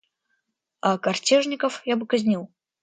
А картежников я бы казнил.